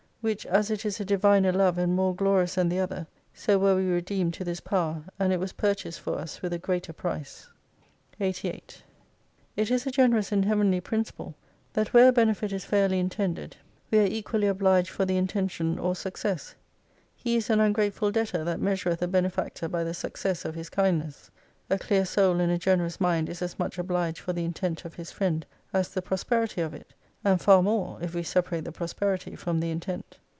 Which as it is a Diviner Love and more glorious than the other, so were we redeemed to this power, and it was purchased for us v/ith a greater price. 88 It is a generous and heavenly principle, that v;liere a benefit is fairly intended we are equally obliged for the intention or success. He is an ungrateful debtor, that measureth a benefactor by the success of his kindness. A clear soul and a generous mind is as much obliged for the intent of his friend, as the prosperity of it : and far more, if we separate the prosperity from the intent.